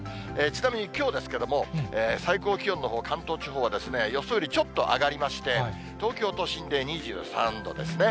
ちなみにきょうですけれども、最高気温のほう、関東地方は予想よりちょっと上がりまして、東京都心で２３度ですね。